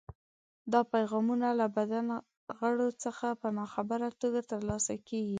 دا پیغامونه له بدن غړو څخه په ناخبره توګه ترلاسه کېږي.